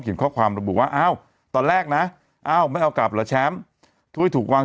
ข้อความระบุว่าอ้าวตอนแรกนะอ้าวไม่เอากลับเหรอแชมป์ถ้วยถูกวาง